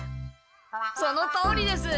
そのとおりです！